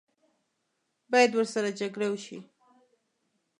باید ورسره جګړه وشي.